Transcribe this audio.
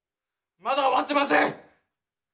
まだ終わってません